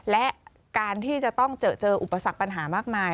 และการที่จะต้องเจออุปสรรคปัญหามากมาย